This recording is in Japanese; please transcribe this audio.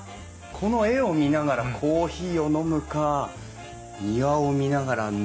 この絵を見ながらコーヒーを飲むか庭を見ながら飲むか迷うね。